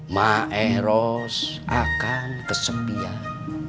maeros akan kesepian